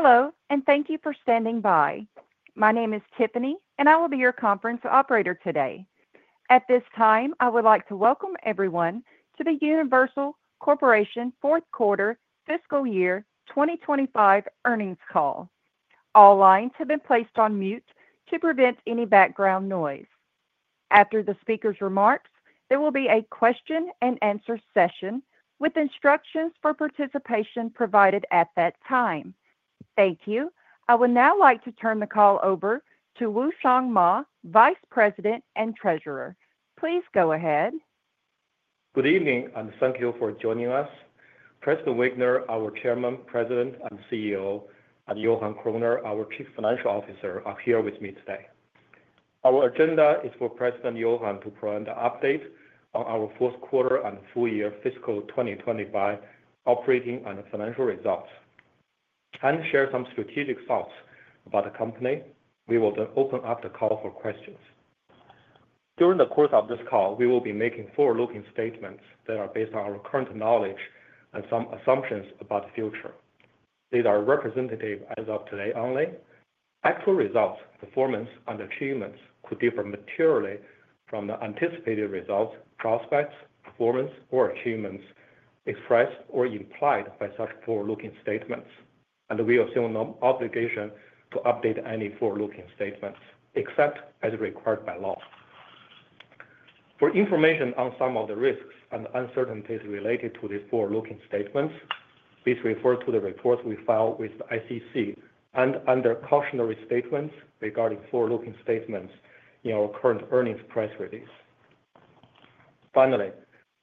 Hello, and thank you for standing by. My name is Tiffany, and I will be your conference operator today. At this time, I would like to welcome everyone to the Universal Corporation Fourth Quarter Fiscal Year 2025 earnings call. All lines have been placed on mute to prevent any background noise. After the speaker's remarks, there will be a question-and-answer session with instructions for participation provided at that time. Thank you. I would now like to turn the call over to Wushuang Ma, Vice President and Treasurer. Please go ahead. Good evening. I'm thankful for joining us. Preston Wigner, our Chairman, President and CEO, and Johan Kroner, our Chief Financial Officer, are here with me today. Our agenda is for Preston and Johan to provide an update on our fourth quarter and full year fiscal 2025 operating and financial results, and share some strategic thoughts about the company. We will then open up the call for questions. During the course of this call, we will be making forward-looking statements that are based on our current knowledge and some assumptions about the future. These are representative as of today only. Actual results, performance, and achievements could differ materially from the anticipated results, prospects, performance, or achievements expressed or implied by such forward-looking statements, and we assume no obligation to update any forward-looking statements except as required by law. For information on some of the risks and uncertainties related to these forward-looking statements, please refer to the reports we filed with the ICC and under cautionary statements regarding forward-looking statements in our current earnings press release. Finally,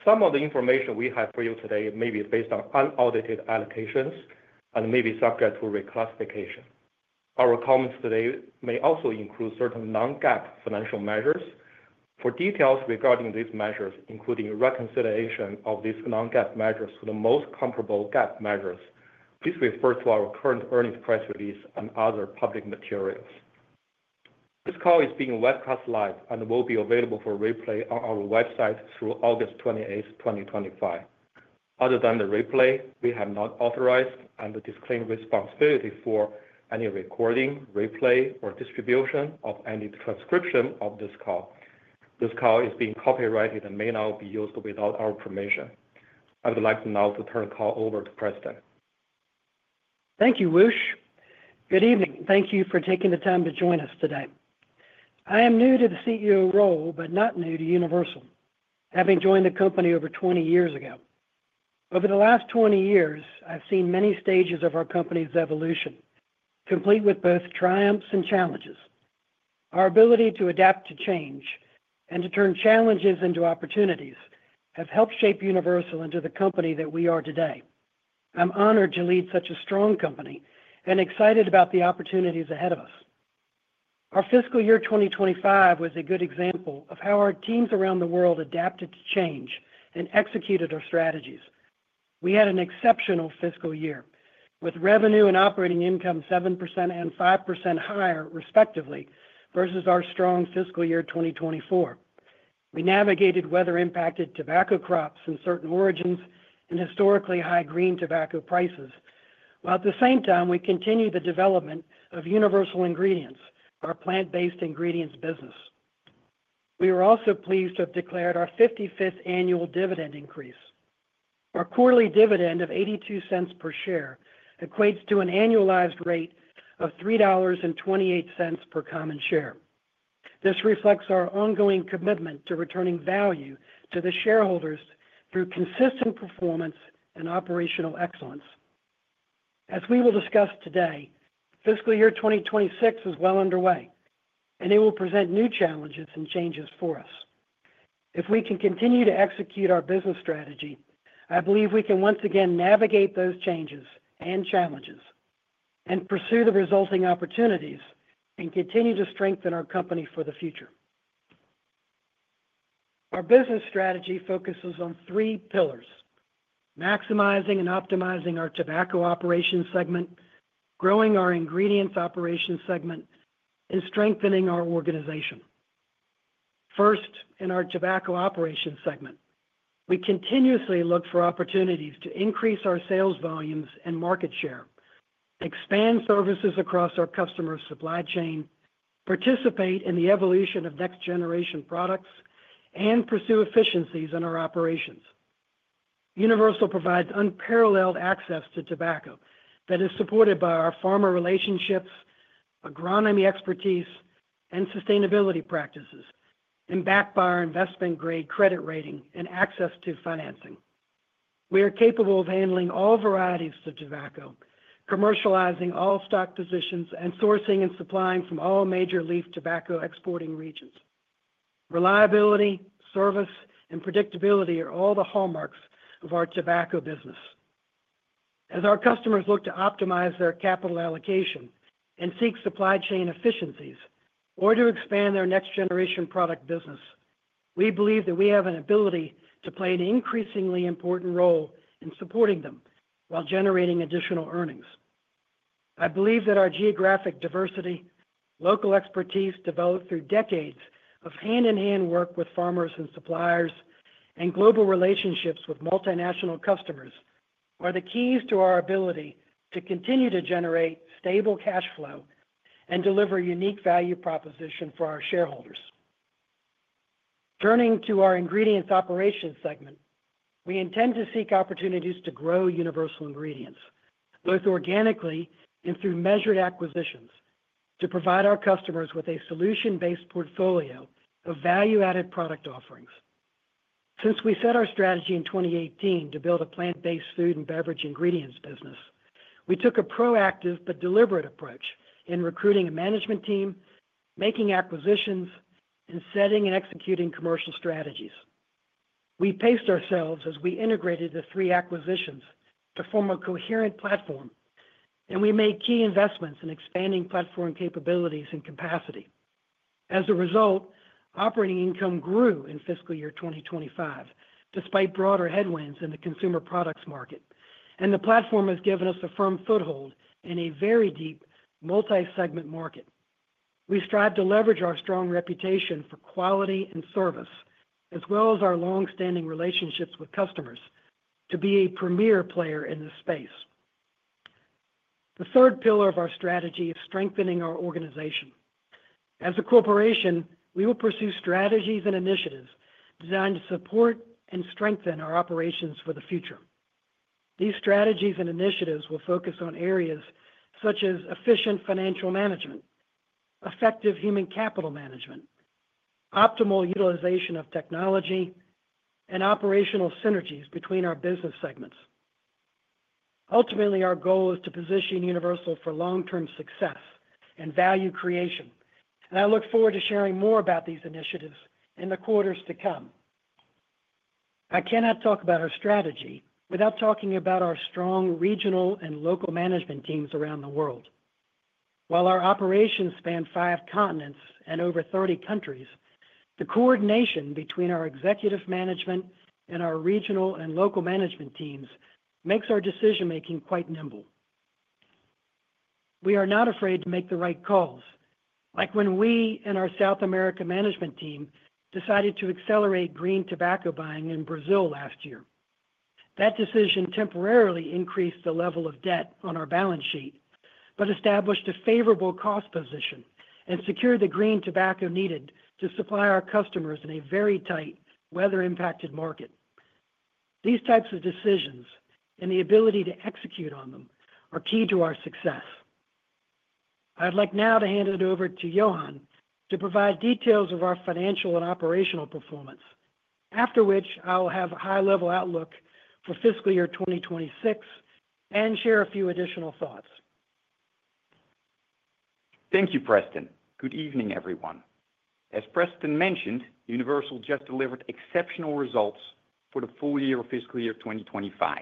some of the information we have for you today may be based on unaudited allocations and may be subject to reclassification. Our comments today may also include certain non-GAAP financial measures. For details regarding these measures, including reconciliation of these non-GAAP measures to the most comparable GAAP measures, please refer to our current earnings press release and other public materials. This call is being webcast live and will be available for replay on our website through August 28, 2025. Other than the replay, we have not authorized and disclaim responsibility for any recording, replay, or distribution of any transcription of this call. This call is being copyrighted and may not be used without our permission. I would like now to turn the call over to Preston. Thank you, Wush. Good evening. Thank you for taking the time to join us today. I am new to the CEO role, but not new to Universal, having joined the company over 20 years ago. Over the last 20 years, I've seen many stages of our company's evolution, complete with both triumphs and challenges. Our ability to adapt to change and to turn challenges into opportunities has helped shape Universal into the company that we are today. I'm honored to lead such a strong company and excited about the opportunities ahead of us. Our fiscal year 2025 was a good example of how our teams around the world adapted to change and executed our strategies. We had an exceptional fiscal year with revenue and operating income 7% and 5% higher, respectively, versus our strong fiscal year 2024. We navigated weather-impacted tobacco crops in certain origins and historically high green tobacco prices, while at the same time, we continued the development of Universal Ingredients, our plant-based ingredients business. We were also pleased to have declared our 55th annual dividend increase. Our quarterly dividend of $0.82 per share equates to an annualized rate of $3.28 per common share. This reflects our ongoing commitment to returning value to the shareholders through consistent performance and operational excellence. As we will discuss today, fiscal year 2026 is well underway, and it will present new challenges and changes for us. If we can continue to execute our business strategy, I believe we can once again navigate those changes and challenges and pursue the resulting opportunities and continue to strengthen our company for the future. Our business strategy focuses on three pillars: maximizing and optimizing our tobacco operations segment, growing our ingredients operations segment, and strengthening our organization. First, in our tobacco operations segment, we continuously look for opportunities to increase our sales volumes and market share, expand services across our customer supply chain, participate in the evolution of next-generation products, and pursue efficiencies in our operations. Universal provides unparalleled access to tobacco that is supported by our farmer relationships, agronomy expertise, and sustainability practices, and backed by our investment-grade credit rating and access to financing. We are capable of handling all varieties of tobacco, commercializing all stock positions, and sourcing and supplying from all major leaf tobacco exporting regions. Reliability, service, and predictability are all the hallmarks of our tobacco business. As our customers look to optimize their capital allocation and seek supply chain efficiencies or to expand their next-generation product business, we believe that we have an ability to play an increasingly important role in supporting them while generating additional earnings. I believe that our geographic diversity, local expertise developed through decades of hand-in-hand work with farmers and suppliers, and global relationships with multinational customers are the keys to our ability to continue to generate stable cash flow and deliver unique value proposition for our shareholders. Turning to our ingredients operations segment, we intend to seek opportunities to grow Universal Ingredients, both organically and through measured acquisitions, to provide our customers with a solution-based portfolio of value-added product offerings. Since we set our strategy in 2018 to build a plant-based food and beverage ingredients business, we took a proactive but deliberate approach in recruiting a management team, making acquisitions, and setting and executing commercial strategies. We paced ourselves as we integrated the three acquisitions to form a coherent platform, and we made key investments in expanding platform capabilities and capacity. As a result, operating income grew in fiscal year 2025, despite broader headwinds in the consumer products market, and the platform has given us a firm foothold in a very deep multi-segment market. We strive to leverage our strong reputation for quality and service, as well as our long-standing relationships with customers, to be a premier player in this space. The third pillar of our strategy is strengthening our organization. As a corporation, we will pursue strategies and initiatives designed to support and strengthen our operations for the future. These strategies and initiatives will focus on areas such as efficient financial management, effective human capital management, optimal utilization of technology, and operational synergies between our business segments. Ultimately, our goal is to position Universal for long-term success and value creation, and I look forward to sharing more about these initiatives in the quarters to come. I cannot talk about our strategy without talking about our strong regional and local management teams around the world. While our operations span five continents and over 30 countries, the coordination between our executive management and our regional and local management teams makes our decision-making quite nimble. We are not afraid to make the right calls, like when we and our South America management team decided to accelerate green tobacco buying in Brazil last year. That decision temporarily increased the level of debt on our balance sheet, but established a favorable cost position and secured the green tobacco needed to supply our customers in a very tight, weather-impacted market. These types of decisions and the ability to execute on them are key to our success. I'd like now to hand it over to Johan to provide details of our financial and operational performance, after which I'll have a high-level outlook for fiscal year 2026 and share a few additional thoughts. Thank you, Preston. Good evening, everyone. As Preston mentioned, Universal just delivered exceptional results for the full year of fiscal year 2025.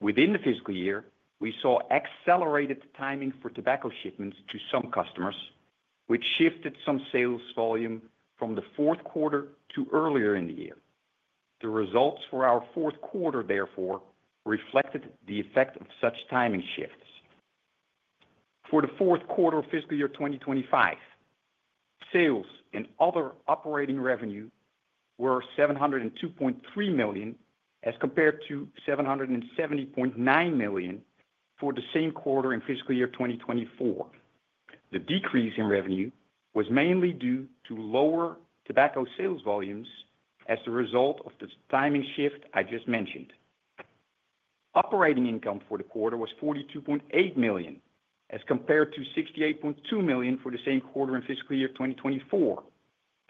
Within the fiscal year, we saw accelerated timing for tobacco shipments to some customers, which shifted some sales volume from the fourth quarter to earlier in the year. The results for our fourth quarter, therefore, reflected the effect of such timing shifts. For the fourth quarter of fiscal year 2025, sales and other operating revenue were $702.3 million as compared to $770.9 million for the same quarter in fiscal year 2024. The decrease in revenue was mainly due to lower tobacco sales volumes as the result of the timing shift I just mentioned. Operating income for the quarter was $42.8 million as compared to $68.2 million for the same quarter in fiscal year 2024.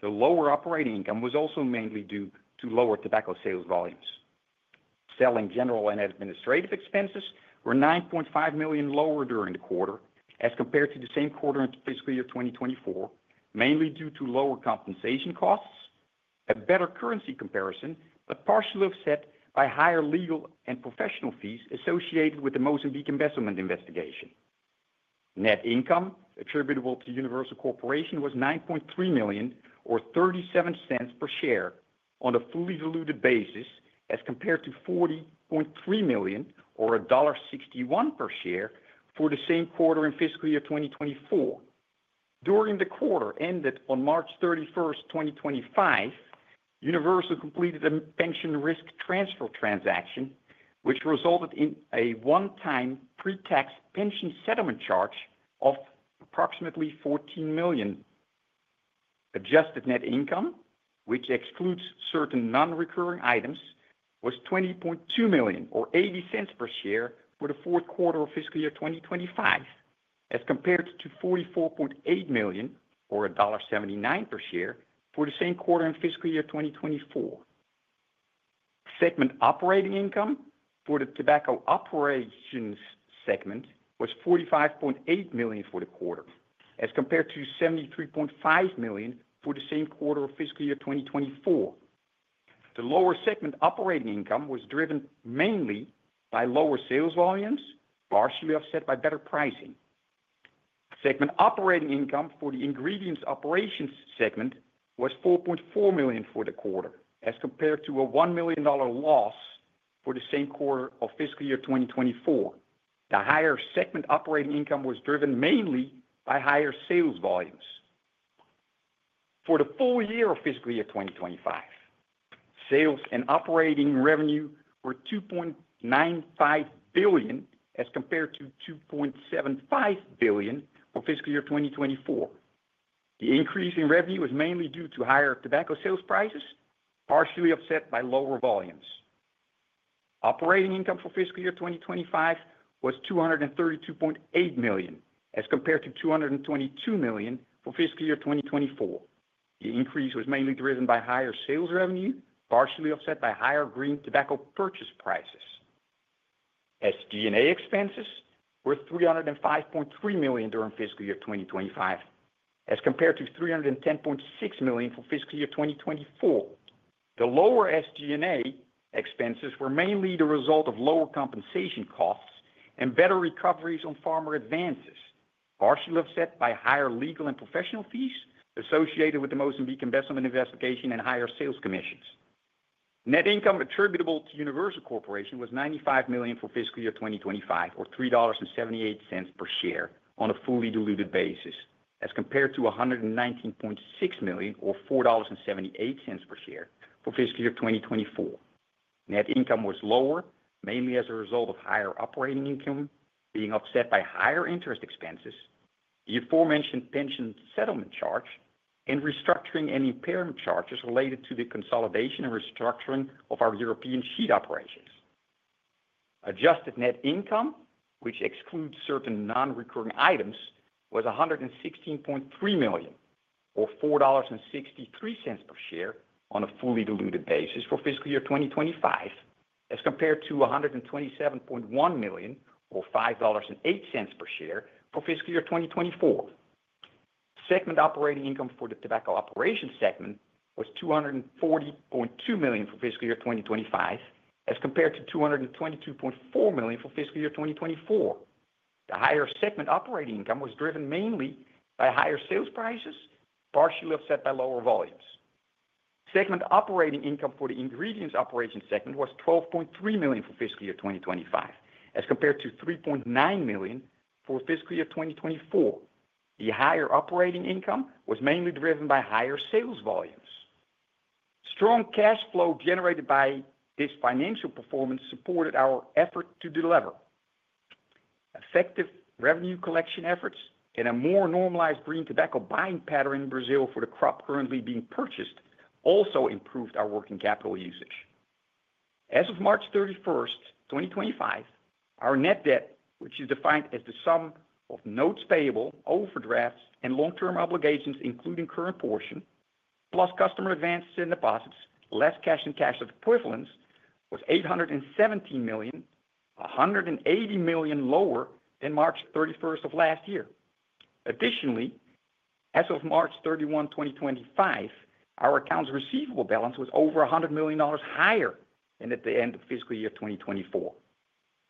The lower operating income was also mainly due to lower tobacco sales volumes. Selling, general, and administrative expenses were $9.5 million lower during the quarter as compared to the same quarter in fiscal year 2024, mainly due to lower compensation costs, a better currency comparison, but partially offset by higher legal and professional fees associated with the Mozambique embezzlement investigation. Net income attributable to Universal Corporation was $9.3 million or $0.37 per share on a fully diluted basis as compared to $40.3 million or $1.61 per share for the same quarter in fiscal year 2024. During the quarter ended on March 31, 2025, Universal completed a pension risk transfer transaction, which resulted in a one-time pre-tax pension settlement charge of approximately $14 million. Adjusted net income, which excludes certain non-recurring items, was $20.2 million or $0.80 per share for the fourth quarter of fiscal year 2025 as compared to $44.8 million or $1.79 per share for the same quarter in fiscal year 2024. Segment operating income for the tobacco operations segment was $45.8 million for the quarter as compared to $73.5 million for the same quarter of fiscal year 2024. The lower segment operating income was driven mainly by lower sales volumes, partially offset by better pricing. Segment operating income for the ingredients operations segment was $4.4 million for the quarter as compared to a $1 million loss for the same quarter of fiscal year 2024. The higher segment operating income was driven mainly by higher sales volumes. For the full year of fiscal year 2025, sales and operating revenue were $2.95 billion as compared to $2.75 billion for fiscal year 2024. The increase in revenue was mainly due to higher tobacco sales prices, partially offset by lower volumes. Operating income for fiscal year 2025 was $232.8 million as compared to $222 million for fiscal year 2024. The increase was mainly driven by higher sales revenue, partially offset by higher green tobacco purchase prices. SG&A expenses were $305.3 million during fiscal year 2025 as compared to $310.6 million for fiscal year 2024. The lower SG&A expenses were mainly the result of lower compensation costs and better recoveries on farmer advances, partially offset by higher legal and professional fees associated with the Mozambique embezzlement investigation and higher sales commissions. Net income attributable to Universal Corporation was $95 million for fiscal year 2025, or $3.78 per share on a fully diluted basis as compared to $119.6 million, or $4.78 per share for fiscal year 2024. Net income was lower, mainly as a result of higher operating income being offset by higher interest expenses, the aforementioned pension settlement charge, and restructuring and impairment charges related to the consolidation and restructuring of our European sheet operations. Adjusted net income, which excludes certain non-recurring items, was $116.3 million, or $4.63 per share on a fully diluted basis for fiscal year 2025 as compared to $127.1 million, or $5.08 per share for fiscal year 2024. Segment operating income for the tobacco operations segment was $240.2 million for fiscal year 2025 as compared to $222.4 million for fiscal year 2024. The higher segment operating income was driven mainly by higher sales prices, partially offset by lower volumes. Segment operating income for the ingredients operations segment was $12.3 million for fiscal year 2025 as compared to $3.9 million for fiscal year 2024. The higher operating income was mainly driven by higher sales volumes. Strong cash flow generated by this financial performance supported our effort to deliver. Effective revenue collection efforts and a more normalized green tobacco buying pattern in Brazil for the crop currently being purchased also improved our working capital usage. As of March 31, 2025, our net debt, which is defined as the sum of notes payable, overdrafts, and long-term obligations, including current portion, plus customer advances and deposits, less cash and cash equivalents, was $817 million, $180 million lower than March 31 of last year. Additionally, as of March 31, 2025, our accounts receivable balance was over $100 million higher than at the end of fiscal year 2024.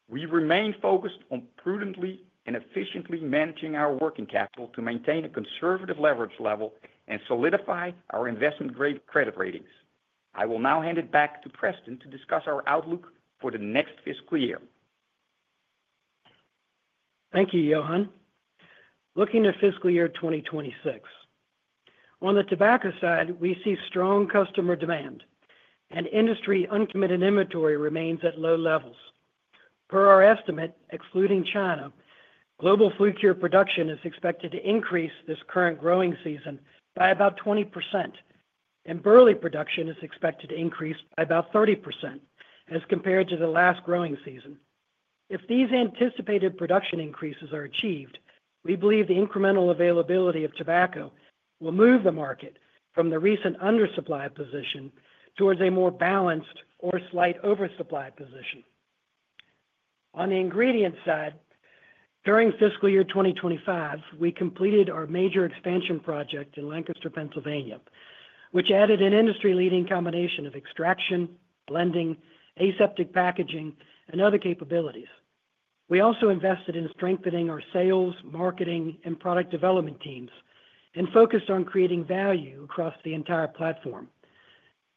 We remain focused on prudently and efficiently managing our working capital to maintain a conservative leverage level and solidify our investment-grade credit ratings. I will now hand it back to Preston to discuss our outlook for the next fiscal year. Thank you, Johan. Looking at fiscal year 2026, on the tobacco side, we see strong customer demand, and industry uncommitted inventory remains at low levels. Per our estimate, excluding China, global flue-cured production is expected to increase this current growing season by about 20%, and burley production is expected to increase by about 30% as compared to the last growing season. If these anticipated production increases are achieved, we believe the incremental availability of tobacco will move the market from the recent undersupply position towards a more balanced or slight oversupply position. On the ingredients side, during fiscal year 2025, we completed our major expansion project in Lancaster, Pennsylvania, which added an industry-leading combination of extraction, blending, aseptic packaging, and other capabilities. We also invested in strengthening our sales, marketing, and product development teams and focused on creating value across the entire platform.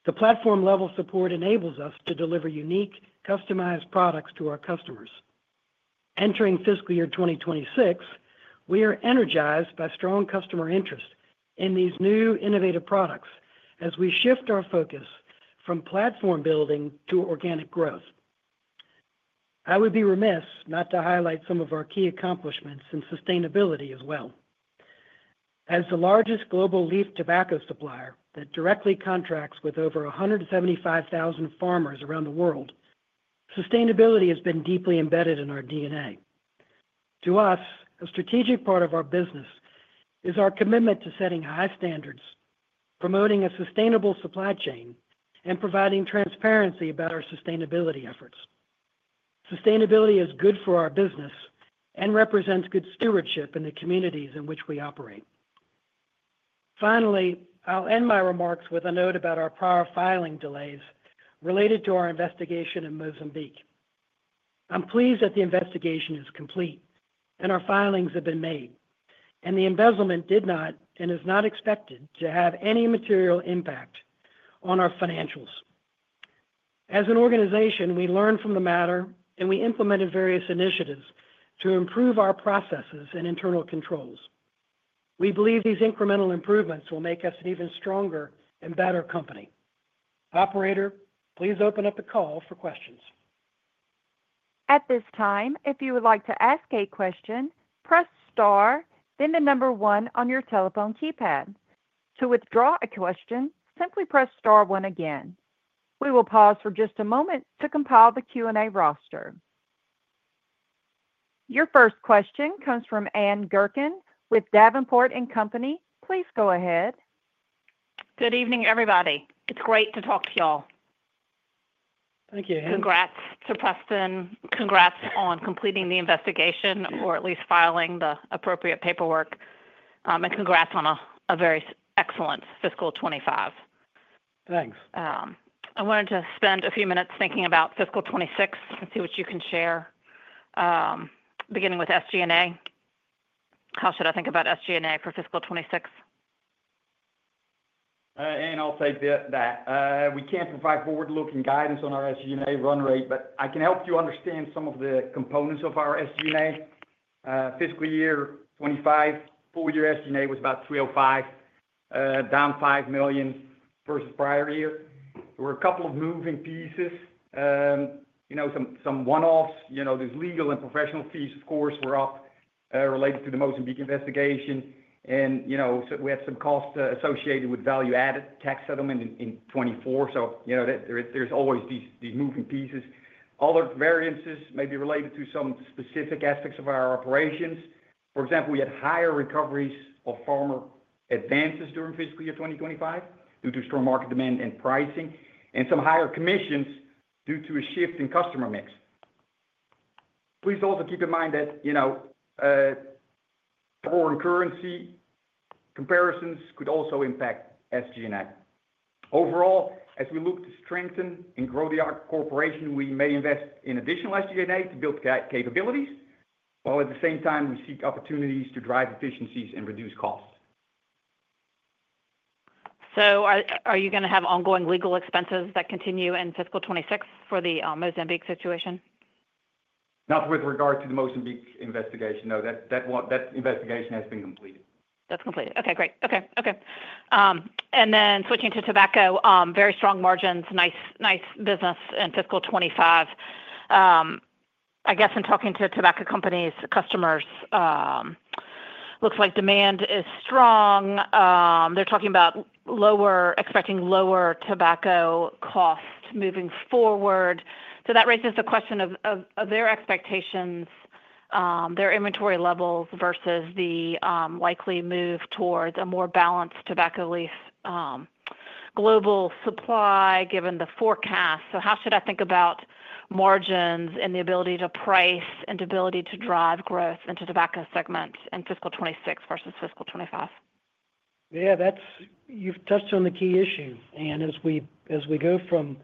The platform-level support enables us to deliver unique, customized products to our customers. Entering fiscal year 2026, we are energized by strong customer interest in these new innovative products as we shift our focus from platform building to organic growth. I would be remiss not to highlight some of our key accomplishments in sustainability as well. As the largest global leaf tobacco supplier that directly contracts with over 175,000 farmers around the world, sustainability has been deeply embedded in our DNA. To us, a strategic part of our business is our commitment to setting high standards, promoting a sustainable supply chain, and providing transparency about our sustainability efforts. Sustainability is good for our business and represents good stewardship in the communities in which we operate. Finally, I'll end my remarks with a note about our prior filing delays related to our investigation in Mozambique. I'm pleased that the investigation is complete and our filings have been made, and the embezzlement did not and is not expected to have any material impact on our financials. As an organization, we learned from the matter, and we implemented various initiatives to improve our processes and internal controls. We believe these incremental improvements will make us an even stronger and better company. Operator, please open up the call for questions. At this time, if you would like to ask a question, press star, then the number one on your telephone keypad. To withdraw a question, simply press star one again. We will pause for just a moment to compile the Q&A roster. Your first question comes from Ann Gurkin with Davenport & Company. Please go ahead. Good evening, everybody. It's great to talk to y'all. Thank you. Congrats to Preston. Congrats on completing the investigation, or at least filing the appropriate paperwork, and congrats on a very excellent fiscal 2025. Thanks. I wanted to spend a few minutes thinking about fiscal 2026 and see what you can share, beginning with SG&A. How should I think about SG&A for fiscal 2026? Ann, I'll take that. We can't provide forward-looking guidance on our SG&A run rate, but I can help you understand some of the components of our SG&A. Fiscal year 2025, full year SG&A was about $305 million, down $5 million versus prior year. There were a couple of moving pieces, some one-offs. Legal and professional fees, of course, were up related to the Mozambique investigation, and we had some costs associated with value-added tax settlement in 2024. There are always these moving pieces. Other variances may be related to some specific aspects of our operations. For example, we had higher recoveries of farmer advances during fiscal year 2025 due to strong market demand and pricing, and some higher commissions due to a shift in customer mix. Please also keep in mind that foreign currency comparisons could also impact SG&A. Overall, as we look to strengthen and grow the corporation, we may invest in additional SG&A to build capabilities, while at the same time, we seek opportunities to drive efficiencies and reduce costs. Are you going to have ongoing legal expenses that continue in fiscal 2026 for the Mozambique situation? Not with regard to the Mozambique investigation. No, that investigation has been completed. That's completed. Okay, great. Okay, okay. And then switching to tobacco, very strong margins, nice business in fiscal 2025. I guess in talking to tobacco companies, customers, looks like demand is strong. They're talking about expecting lower tobacco costs moving forward. That raises the question of their expectations, their inventory levels versus the likely move towards a more balanced tobacco leaf global supply given the forecast. How should I think about margins and the ability to price and the ability to drive growth in the tobacco segment in fiscal 2026 versus fiscal 2025? Yeah, you've touched on the key issue. As we go from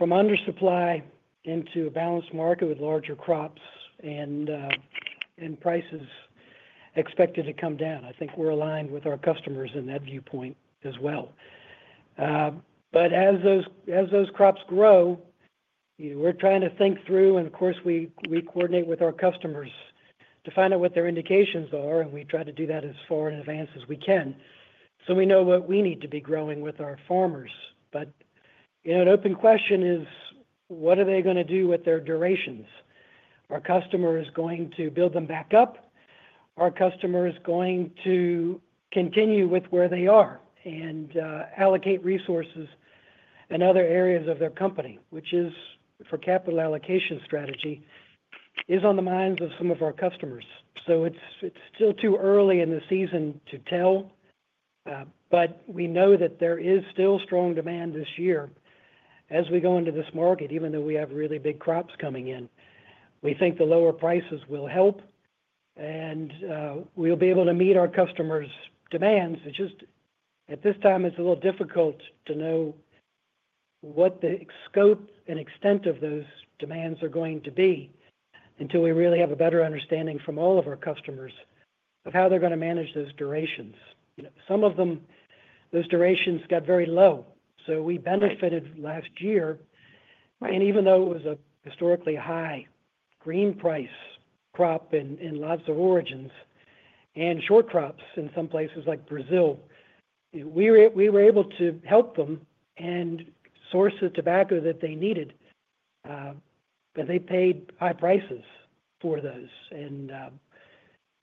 undersupply into a balanced market with larger crops and prices expected to come down, I think we're aligned with our customers in that viewpoint as well. As those crops grow, we're trying to think through, and of course, we coordinate with our customers to find out what their indications are, and we try to do that as far in advance as we can so we know what we need to be growing with our farmers. An open question is, what are they going to do with their durations? Are customers going to build them back up? Are customers going to continue with where they are and allocate resources in other areas of their company, which for capital allocation strategy is on the minds of some of our customers. It's still too early in the season to tell, but we know that there is still strong demand this year as we go into this market, even though we have really big crops coming in. We think the lower prices will help, and we'll be able to meet our customers' demands. It's just at this time, it's a little difficult to know what the scope and extent of those demands are going to be until we really have a better understanding from all of our customers of how they're going to manage those durations. Some of them, those durations got very low, so we benefited last year. Even though it was a historically high green price crop in lots of origins and short crops in some places like Brazil, we were able to help them and source the tobacco that they needed, but they paid high prices for those.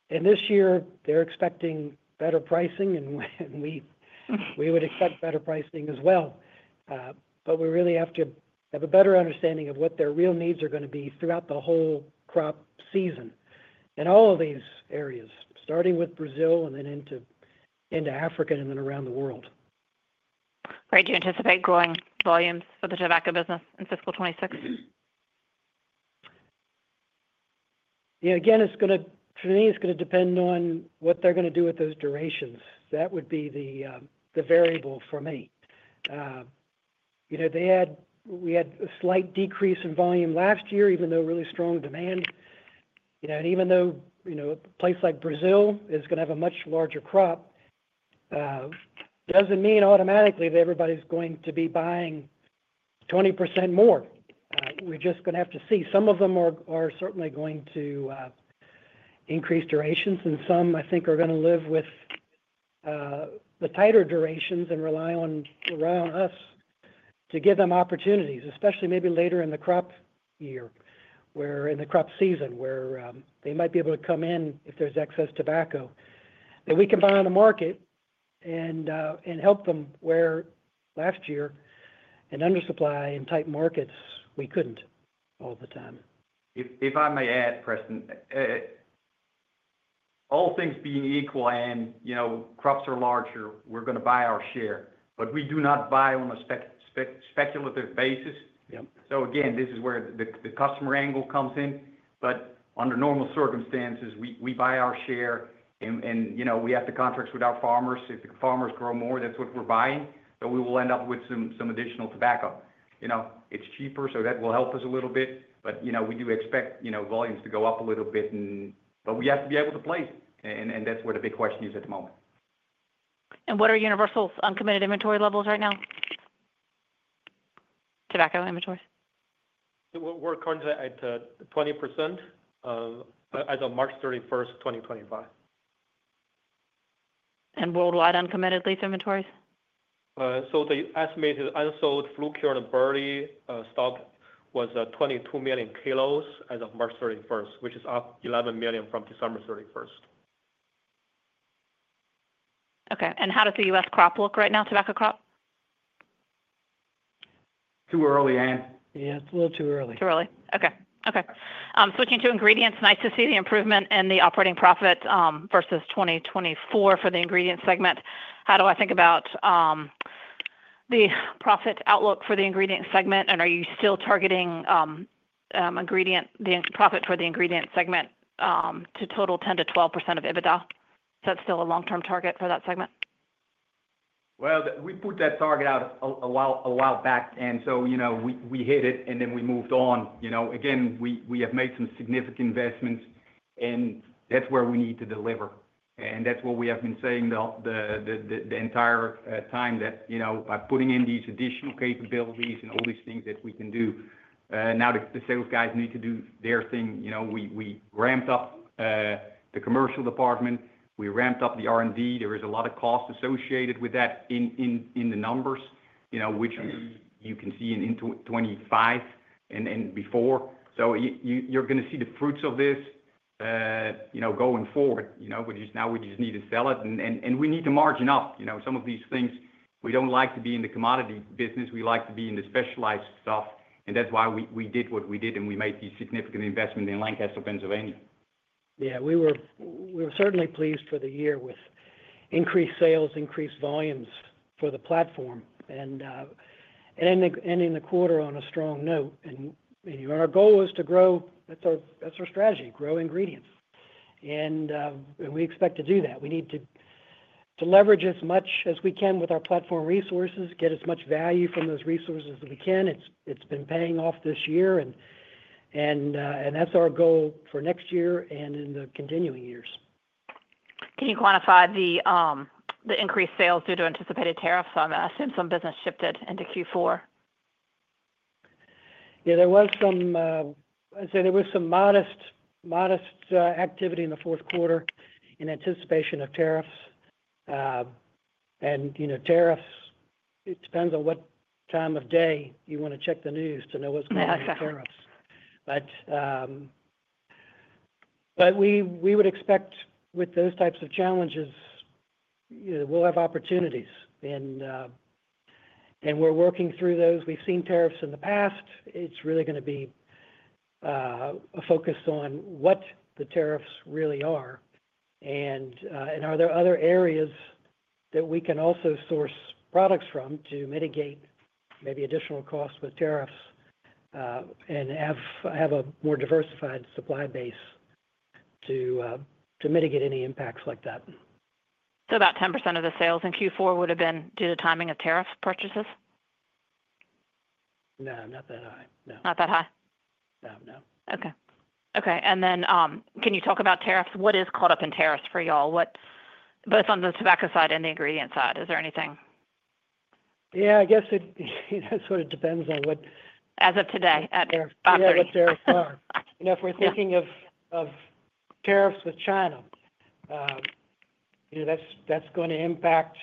This year, they're expecting better pricing, and we would expect better pricing as well. We really have to have a better understanding of what their real needs are going to be throughout the whole crop season in all of these areas, starting with Brazil and then into Africa and then around the world. Right. Do you anticipate growing volumes for the tobacco business in fiscal 2026? Yeah, again, for me, it's going to depend on what they're going to do with those durations. That would be the variable for me. We had a slight decrease in volume last year, even though really strong demand. Even though a place like Brazil is going to have a much larger crop, it doesn't mean automatically that everybody's going to be buying 20% more. We're just going to have to see. Some of them are certainly going to increase durations, and some, I think, are going to live with the tighter durations and rely on us to give them opportunities, especially maybe later in the crop year or in the crop season where they might be able to come in if there's excess tobacco. We can buy on the market and help them where last year in undersupply and tight markets we couldn't all the time. If I may add, Preston, all things being equal, and crops are larger, we're going to buy our share, but we do not buy on a speculative basis. This is where the customer angle comes in. Under normal circumstances, we buy our share, and we have to contract with our farmers. If the farmers grow more, that's what we're buying. We will end up with some additional tobacco. It's cheaper, so that will help us a little bit. We do expect volumes to go up a little bit, but we have to be able to place, and that's where the big question is at the moment. What are Universal uncommitted inventory levels right now? Tobacco inventory? We're currently at 20% as of March 31, 2025. Worldwide uncommitted leaf inventories? The estimated unsold fleet here in Burley stock was 22 million kilos as of March 31, which is up 11 million from December 31. Okay. How does the U.S. crop look right now, tobacco crop? Too early, Anne. Yeah, it's a little too early. Too early. Okay. Okay. Switching to ingredients, nice to see the improvement in the operating profit versus 2024 for the ingredient segment. How do I think about the profit outlook for the ingredient segment? Are you still targeting the profit for the ingredient segment to total 10%-12% of EBITDA? Is that still a long-term target for that segment? We put that target out a while back, and we hit it, and then we moved on. Again, we have made some significant investments, and that's where we need to deliver. That's what we have been saying the entire time, that by putting in these additional capabilities and all these things that we can do. Now, the sales guys need to do their thing. We ramped up the commercial department. We ramped up the R&D. There is a lot of cost associated with that in the numbers, which you can see in 2025 and before. You're going to see the fruits of this going forward, which is now we just need to sell it. We need to margin up. Some of these things, we do not like to be in the commodity business. We like to be in the specialized stuff. That's why we did what we did, and we made these significant investments in Lancaster, Pennsylvania. Yeah, we were certainly pleased for the year with increased sales, increased volumes for the platform, and ending the quarter on a strong note. Our goal is to grow—that's our strategy—grow ingredients. We expect to do that. We need to leverage as much as we can with our platform resources, get as much value from those resources as we can. It's been paying off this year, and that's our goal for next year and in the continuing years. Can you quantify the increased sales due to anticipated tariffs? I'm assuming some business shifted into Q4. Yeah, there was some—I’d say there was some modest activity in the fourth quarter in anticipation of tariffs. Tariffs, it depends on what time of day you want to check the news to know what’s going on with tariffs. We would expect with those types of challenges, we’ll have opportunities. We’re working through those. We’ve seen tariffs in the past. It’s really going to be a focus on what the tariffs really are. Are there other areas that we can also source products from to mitigate maybe additional costs with tariffs and have a more diversified supply base to mitigate any impacts like that? About 10% of the sales in Q4 would have been due to timing of tariff purchases? No, not that high. No. Not that high? No, no. Okay. Okay. Can you talk about tariffs? What is caught up in tariffs for y'all, both on the tobacco side and the ingredient side? Is there anything? Yeah, I guess it sort of depends on what. As of today at. Yeah, what tariffs are. If we're thinking of tariffs with China, that's going to impact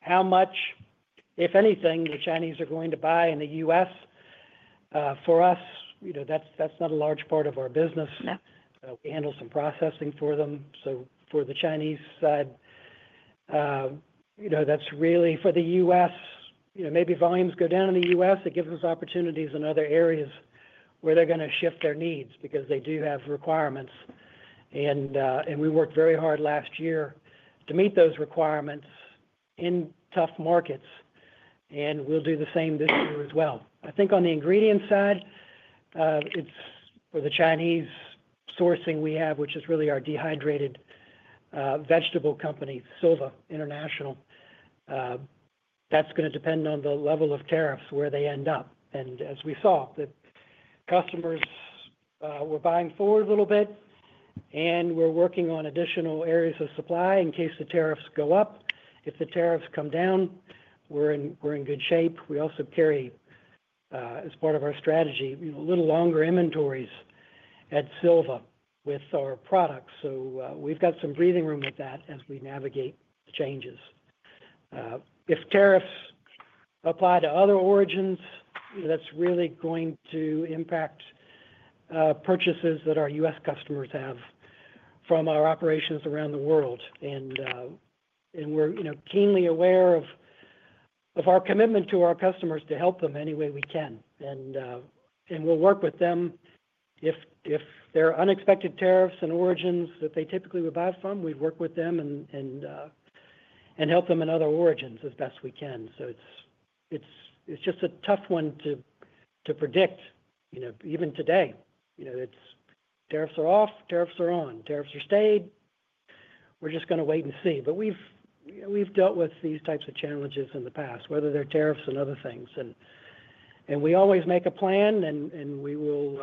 how much, if anything, the Chinese are going to buy in the U.S. For us, that's not a large part of our business. We handle some processing for them. For the Chinese side, that's really for the U.S. Maybe volumes go down in the U.S. It gives us opportunities in other areas where they're going to shift their needs because they do have requirements. We worked very hard last year to meet those requirements in tough markets. We'll do the same this year as well. I think on the ingredient side, it's for the Chinese sourcing we have, which is really our dehydrated vegetable company, Silva International. That's going to depend on the level of tariffs where they end up. As we saw, the customers were buying forward a little bit, and we're working on additional areas of supply in case the tariffs go up. If the tariffs come down, we're in good shape. We also carry, as part of our strategy, a little longer inventories at Silva with our products. We have some breathing room with that as we navigate the changes. If tariffs apply to other origins, that is really going to impact purchases that our U.S. customers have from our operations around the world. We are keenly aware of our commitment to our customers to help them any way we can. We will work with them if there are unexpected tariffs in origins that they typically would buy from. We have worked with them and helped them in other origins as best we can. It is just a tough one to predict. Even today, tariffs are off, tariffs are on, tariffs are stayed. We are just going to wait and see. We have dealt with these types of challenges in the past, whether they are tariffs and other things. We always make a plan, and we will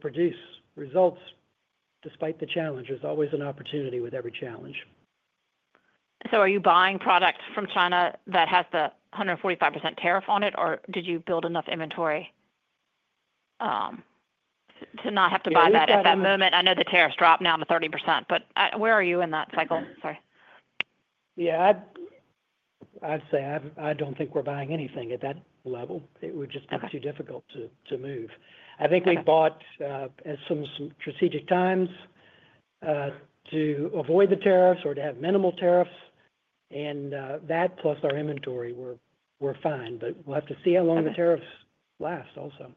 produce results despite the challenge. There is always an opportunity with every challenge. Are you buying product from China that has the 145% tariff on it, or did you build enough inventory to not have to buy that at that moment? I know the tariffs dropped now to 30%, but where are you in that cycle? Sorry. Yeah, I'd say I don't think we're buying anything at that level. It would just be too difficult to move. I think we bought at some strategic times to avoid the tariffs or to have minimal tariffs. That plus our inventory, we're fine. We'll have to see how long the tariffs last also.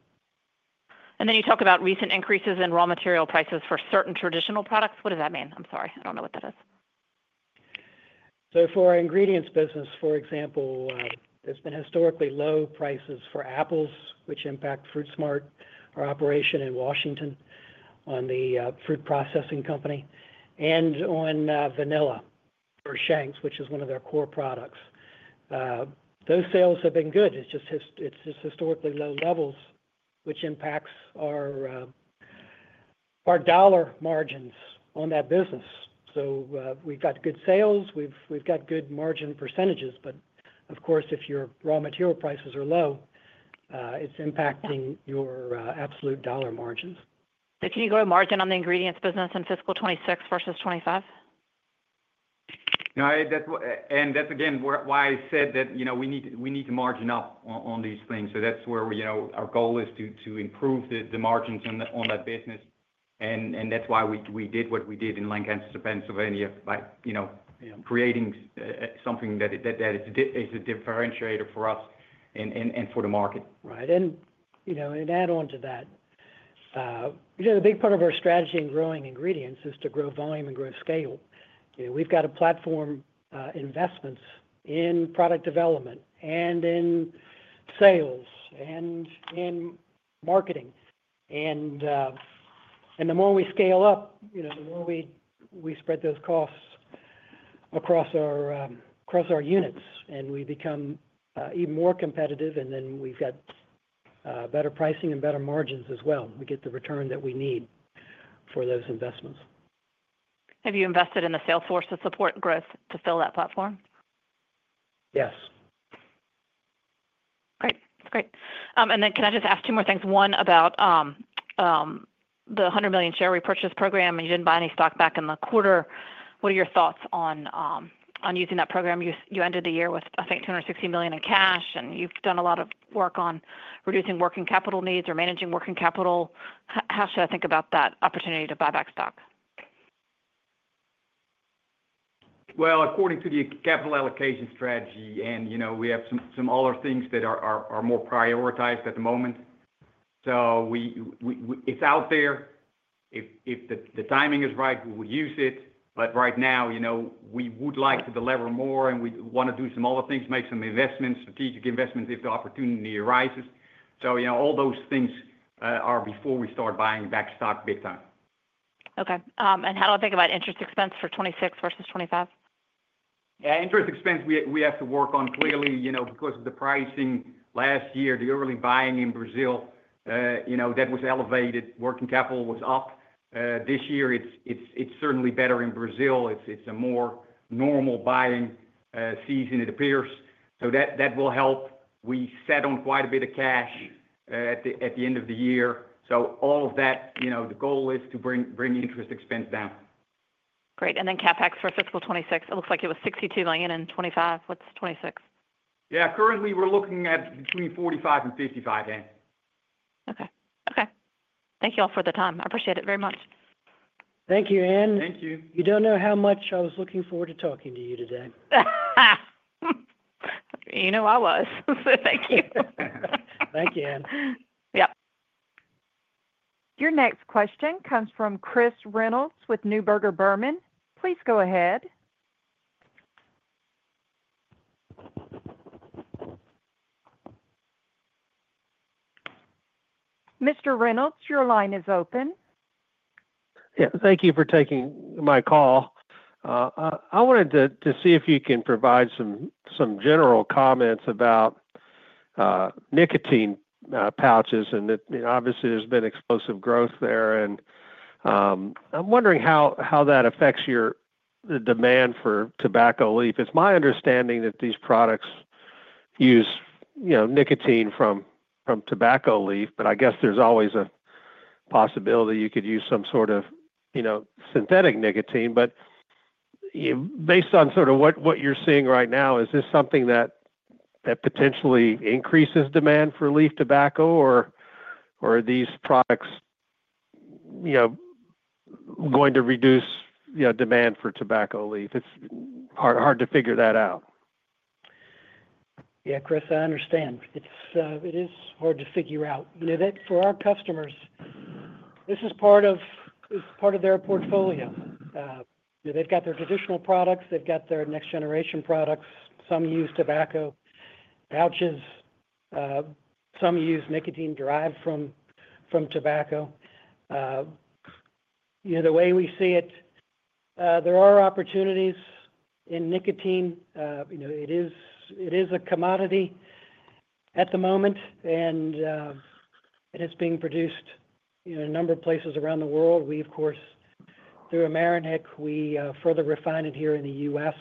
You talk about recent increases in raw material prices for certain traditional products. What does that mean? I'm sorry. I don't know what that is. For our ingredients business, for example, there have been historically low prices for apples, which impact Fruit Smart, our operation in Washington, on the fruit processing company. And on vanilla shanks, which is one of their core products. Those sales have been good. It is just historically low levels, which impacts our dollar margins on that business. We have got good sales. We have got good margin percentages. Of course, if your raw material prices are low, it is impacting your absolute dollar margins. Can you go to margin on the ingredients business in fiscal 2026 versus 2025? That is again why I said that we need to margin up on these things. That is where our goal is to improve the margins on that business. That is why we did what we did in Lancaster, Pennsylvania, by creating something that is a differentiator for us and for the market. Right. To add on to that, a big part of our strategy in growing ingredients is to grow volume and grow scale. We have got platform investments in product development and in sales and in marketing. The more we scale up, the more we spread those costs across our units, and we become even more competitive. We have better pricing and better margins as well. We get the return that we need for those investments. Have you invested in the sales force to support growth to fill that platform? Yes. Great. That's great. Can I just ask two more things? One about the $100 million share repurchase program, and you did not buy any stock back in the quarter. What are your thoughts on using that program? You ended the year with, I think, $260 million in cash, and you have done a lot of work on reducing working capital needs or managing working capital. How should I think about that opportunity to buy back stock? According to the capital allocation strategy, Anne, we have some other things that are more prioritized at the moment. It is out there. If the timing is right, we will use it. Right now, we would like to deliver more, and we want to do some other things, make some investments, strategic investments if the opportunity arises. All those things are before we start buying back stock big time. Okay. How do I think about interest expense for 2026 versus 2025? Yeah, interest expense, we have to work on clearly because of the pricing last year, the early buying in Brazil, that was elevated. Working capital was up. This year, it's certainly better in Brazil. It's a more normal buying season, it appears. That will help. We sat on quite a bit of cash at the end of the year. All of that, the goal is to bring interest expense down. Great. CapEx for fiscal 2026, it looks like it was $62 million in 2025. What is 2026? Yeah, currently, we're looking at between $45 million and $55 million, Ann. Okay. Okay. Thank you all for the time. I appreciate it very much. Thank you, Ann. Thank you. You don't know how much I was looking forward to talking to you today. You know, I was. Thank you. Thank you, Ann. Yep. Your next question comes from Chris Reynolds with Newburger Berman. Please go ahead. Mr. Reynolds, your line is open. Yeah. Thank you for taking my call. I wanted to see if you can provide some general comments about nicotine pouches. Obviously, there's been explosive growth there. I'm wondering how that affects the demand for tobacco leaf. It's my understanding that these products use nicotine from tobacco leaf, but I guess there's always a possibility you could use some sort of synthetic nicotine. Based on sort of what you're seeing right now, is this something that potentially increases demand for leaf tobacco, or are these products going to reduce demand for tobacco leaf? It's hard to figure that out. Yeah, Chris, I understand. It is hard to figure out. For our customers, this is part of their portfolio. They've got their traditional products. They've got their next-generation products. Some use tobacco pouches. Some use nicotine derived from tobacco. The way we see it, there are opportunities in nicotine. It is a commodity at the moment, and it is being produced in a number of places around the world. We, of course, through Ameritech, we further refine it here in the U.S.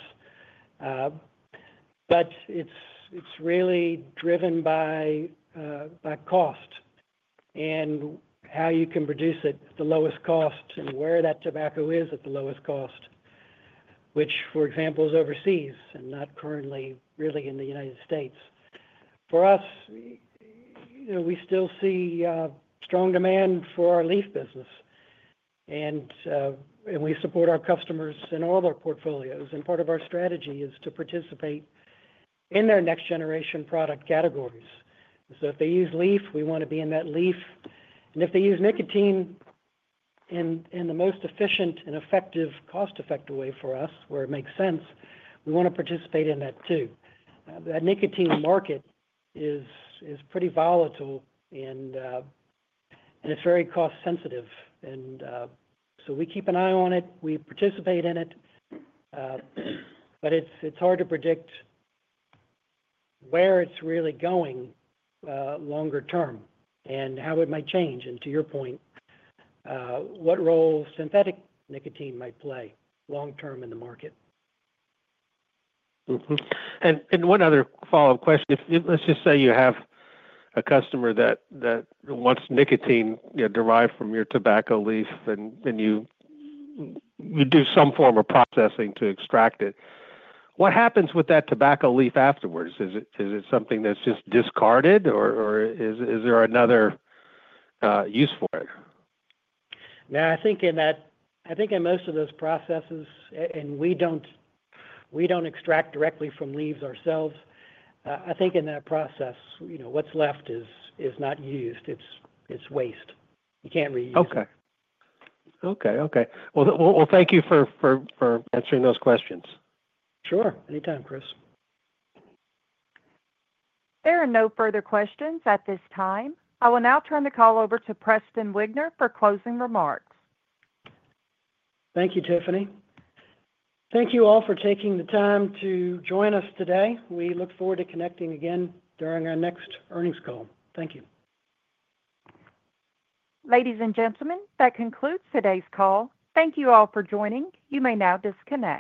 It is really driven by cost and how you can produce it at the lowest cost and where that tobacco is at the lowest cost, which, for example, is overseas and not currently really in the United States. For us, we still see strong demand for our leaf business. We support our customers in all their portfolios. Part of our strategy is to participate in their next-generation product categories. If they use leaf, we want to be in that leaf. If they use nicotine in the most efficient and effective, cost-effective way for us, where it makes sense, we want to participate in that too. That nicotine market is pretty volatile, and it is very cost-sensitive. We keep an eye on it. We participate in it. It is hard to predict where it is really going longer term and how it might change. To your point, what role synthetic nicotine might play long-term in the market. One other follow-up question. Let's just say you have a customer that wants nicotine derived from your tobacco leaf, and you do some form of processing to extract it. What happens with that tobacco leaf afterwards? Is it something that's just discarded, or is there another use for it? Now, I think in that, I think in most of those processes, and we do not extract directly from leaves ourselves. I think in that process, what is left is not used. It is waste. You cannot reuse it. Okay. Okay. Thank you for answering those questions. Sure. Anytime, Chris. There are no further questions at this time. I will now turn the call over to Preston Wigner for closing remarks. Thank you, Tiffany. Thank you all for taking the time to join us today. We look forward to connecting again during our next earnings call. Thank you. Ladies and gentlemen, that concludes today's call. Thank you all for joining. You may now disconnect.